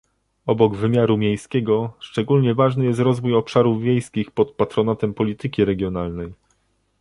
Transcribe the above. Obok wymiaru miejskiego, szczególnie ważny jest rozwój obszarów wiejskich pod patronatem polityki regionalnej